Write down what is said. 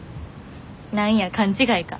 何や勘違いか。